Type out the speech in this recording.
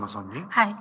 はい。